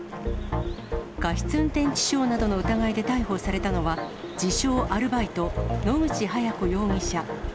過失運転致傷などの疑いで逮捕されたのは、自称アルバイト、野口早子容疑者。